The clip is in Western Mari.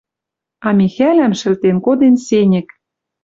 А Михӓлӓм шӹлтен коден сеньӹк